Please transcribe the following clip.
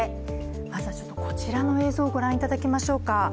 皆さんちょっとこちらの映像をご覧いただきましょうか。